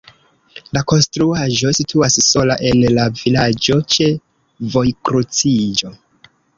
La konstruaĵo situas sola en la vilaĝo ĉe vojkruciĝo.